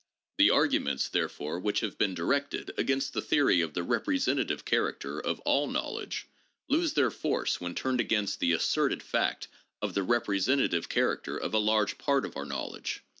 The arguments, therefore, which have been directed against the theory of the representative character of all knowledge lose their force when turned against the asserted fact of the representative character of a large part of our knowl edge.